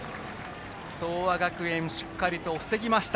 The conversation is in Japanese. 東亜学園、しっかりと防ぎました。